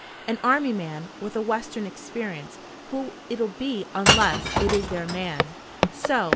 An Army man with a Western experience who'll it be unless it is their man? So.